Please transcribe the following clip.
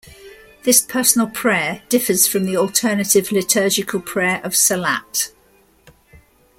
This personal prayer differs from the alternative liturgical prayer of salat.